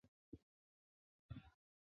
并宣布于演艺圈中隐退。